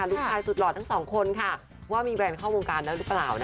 ลูกชายสุดหล่อทั้งสองคนค่ะว่ามีแรนด์เข้าวงการแล้วหรือเปล่า